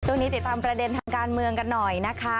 ติดตามประเด็นทางการเมืองกันหน่อยนะคะ